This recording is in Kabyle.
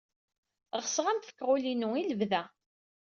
Ɣseɣ ad am-fkeɣ ul-inu i lebda.